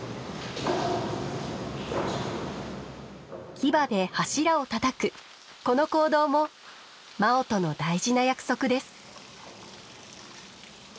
牙で柱をたたくこの行動もマオとの大事な約束です。